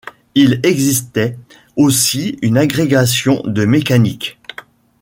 Il existait aussi une Agrégation de mécanique.